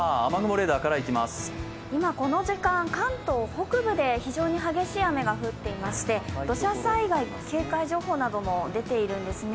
今この時間、関東北部で非常に激しい雨が降っていまして、土砂災害警戒情報なども出ているんですね。